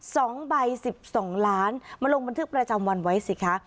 สองใบสิบสองล้านมาลงบันทึกประจำวันไว้สิคะ